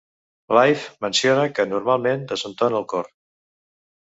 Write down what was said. Live, menciona que "normalment desentona al cor".